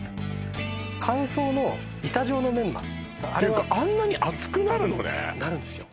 乾燥の板状のメンマあれはていうかあんなに厚くなるのねなるんですよ